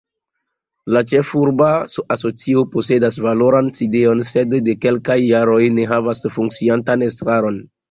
La ĉefurba asocio posedas valoran sidejon, sed de kelkaj jaroj ne havas funkciantan estraron.